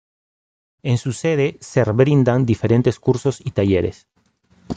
En su sede ser brindan diferentes cursos y talleres.